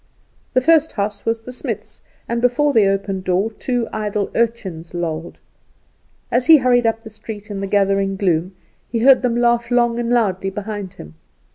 The first house was the smith's, and before the open door two idle urchins lolled. As he hurried up the street in the gathering gloom he heard them laugh long and loudly behind him.